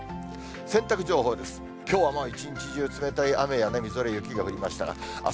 洗濯情報です。